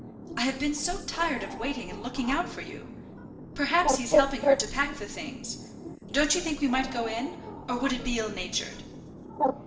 I have been so tired of waiting and looking out for you. Perhaps he's helping her to pack the things. Don't you think we might go in; or would it be ill natured?"